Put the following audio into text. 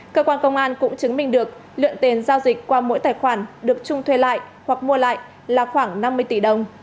cơ quan công an cũng chứng minh được lượng tiền giao dịch qua mỗi tài khoản được trung thuê lại hoặc mua lại là khoảng năm mươi tỷ đồng